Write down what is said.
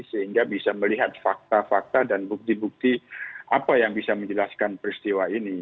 sehingga bisa melihat fakta fakta dan bukti bukti apa yang bisa menjelaskan peristiwa ini